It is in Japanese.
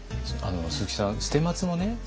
鈴木さん捨松もね